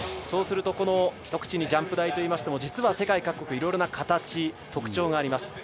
そうすると一口にジャンプ台といいましても実は世界各国いろいろな形、特徴があります。